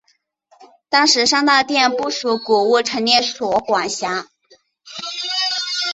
当时三大殿不属古物陈列所管辖。